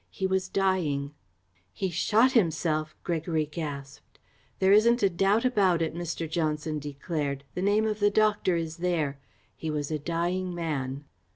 He was dying." "He shot himself!" Gregory gasped. "There isn't a doubt about it," Mr. Johnson declared. "The name of the doctor is there. He was a dying man."